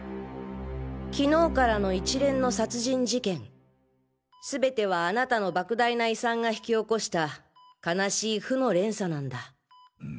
昨日からの一連の殺人事件全てはあなたの莫大な遺産が引き起こした悲しい負の連鎖なんだ。